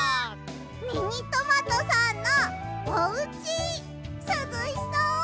ミニトマトさんのおうちすずしそう！